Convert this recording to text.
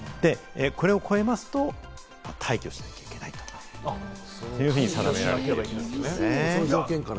これを超えますと退去しなきゃいけないというふうに定められています。